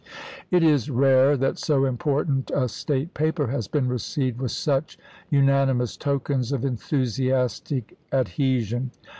It is rare that so important a state paper has been received with such unanimous tokens of en thusiastic adhesion.